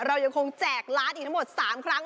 เรายังคงแจกร้านอีกทั้งหมด๓ครั้ง